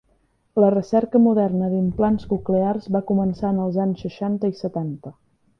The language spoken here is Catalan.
La recerca moderna d'implants coclears va començar en els anys seixanta i setanta.